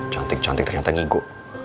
cantik cantik ternyata nigo